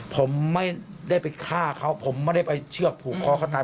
ผมไม่ได้ไปฆ่าเขาผมไม่ได้ไปเชือกผูกคอเขาตาย